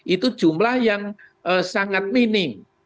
itu jumlah yang sangat minim